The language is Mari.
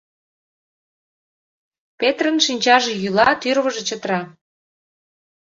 Петрын шинчаже йӱла, тӱрвыжӧ чытыра: